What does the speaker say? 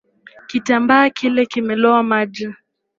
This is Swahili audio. Kitambaa kile kimelowa maji